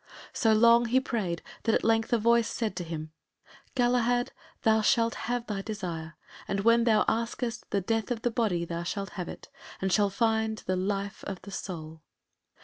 So long he prayed that at length a voice said to him, "Galahad, thou shalt have thy desire, and when thou askest the death of the body thou shalt have it, and shalt find the life of the soul."